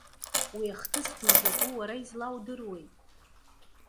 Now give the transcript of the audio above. Уи ахҭыс ду закәу, уара излаудыруеи?